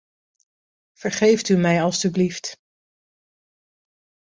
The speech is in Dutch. Vergeeft u mij alstublieft.